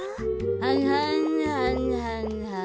はんはんはんはんはん。